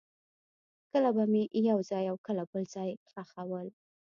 کله به مې یو ځای او کله بل ځای کې خښول.